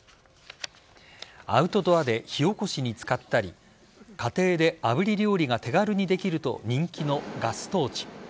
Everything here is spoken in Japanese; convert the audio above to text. アウトドアで火おこしに使ったり家庭であぶり料理が手軽にできると人気のガストーチ。